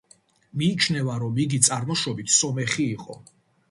მიიჩნევა, რომ იგი წარმოშობით სომეხი იყო.